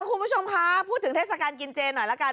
คุณผู้ชมคะพูดถึงเทศกาลกินเจหน่อยละกัน